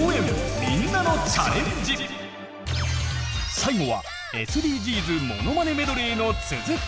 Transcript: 最後はＳＤＧｓものまねメドレーの続き。